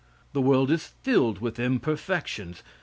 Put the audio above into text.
The world is filled with imperfections.